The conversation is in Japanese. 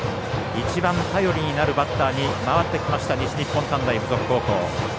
一番頼りになるバッターに回ってきた、西日本短大付属高校。